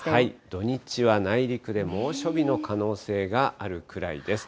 土日は内陸で猛暑日の可能性があるくらいです。